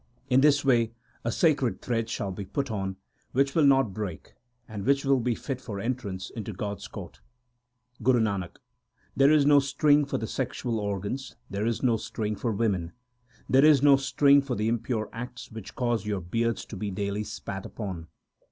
In this way a sacred thread shall be put on, which will not break, and which will be fit for entrance into God s court. Guru Nanak There is no string for the sexual organs, there is no string for women ; There is no string for the impure acts which cause your beards to be daily spat upon.